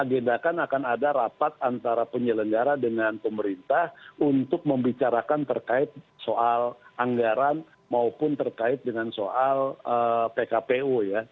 agendakan akan ada rapat antara penyelenggara dengan pemerintah untuk membicarakan terkait soal anggaran maupun terkait dengan soal pkpu ya